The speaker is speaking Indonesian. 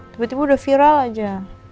tiba tiba udah viral aja